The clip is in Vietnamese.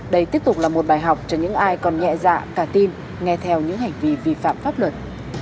đây tiếp tục là một bài học cho những ai còn nhẹ dạ cả tin nghe theo những hành vi vi phạm pháp luật